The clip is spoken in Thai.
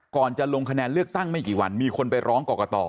ก่อนจะลงคะแนนเลือกตั้งไม่กี่วันมีคนไปร้องกรกต